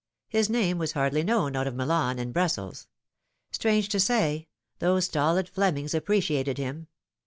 His name was hardly known out of Milan and Brussels. Strange to say, those stolid Flemings appreciated him.